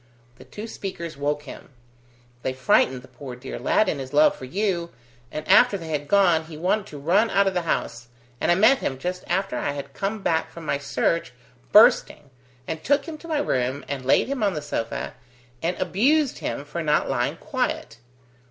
The two speakers woke him; they frightened the poor dear lad in his love for you, and after they had gone, he wanted to run out of the house, and I met him just after I had come back from my search, bursting, and took him to my room, and laid him on the sofa, and abused him for not lying quiet.